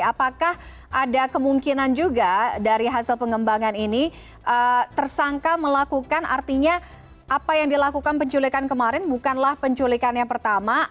apakah ada kemungkinan juga dari hasil pengembangan ini tersangka melakukan artinya apa yang dilakukan penculikan kemarin bukanlah penculikan yang pertama